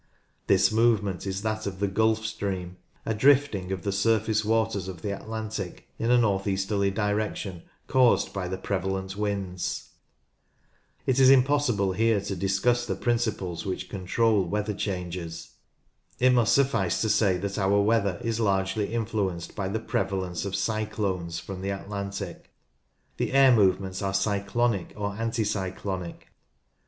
This movement is that of the Gulf Stream, a drifting of the surface waters of the Atlantic in a north easterly direction caused by the prevalent winds. It is impossible here to discuss the principles which control weather changes. It must suffice to say that our Trees near Torrisholme bent from the south west {Showing direction of prevalent winds) weather is largely influenced by the prevalence of cyclones from the Atlantic. The air movements are cyclonic or anticy clonic.